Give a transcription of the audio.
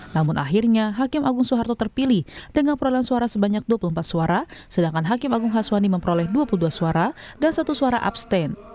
namun akhirnya hakim agung soeharto terpilih dengan perolehan suara sebanyak dua puluh empat suara sedangkan hakim agung haswani memperoleh dua puluh dua suara dan satu suara abstain